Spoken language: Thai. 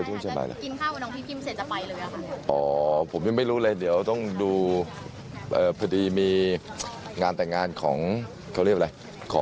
อเจมส์จะเข้าไปพร้อมคุณพิทราช่วงบ่ายเลยไหมคะ